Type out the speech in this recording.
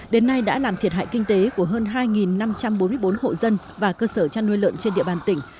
đến nay đã làm thiệt hại kinh tế của hơn hai năm trăm bốn mươi bốn hộ dân và cơ sở chăn nuôi lợn trên địa bàn tỉnh